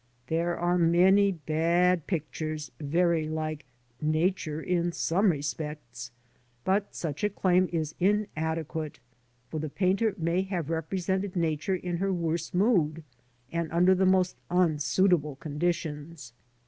There are many bad pictures very like Nature in some respects; but such a claim is inadequate, for the painter may have represented Nature in her worse mood, and under the most unsuitable conditions.